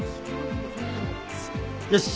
よし。